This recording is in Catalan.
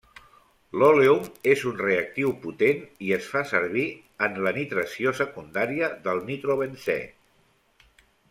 L'òleum és un reactiu potent i es fa servir en la nitració secundària del nitrobenzè.